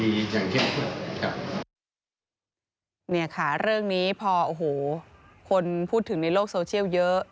พรีอย่างเท่านี้นะครับเนี่ยค่ะเรื่องพอคนพูดถึงในโรคโซเชียลเยอะ